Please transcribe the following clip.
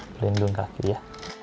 pelindung kaki ya